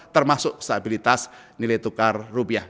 termasuk stabilitas nilai tukar rupiah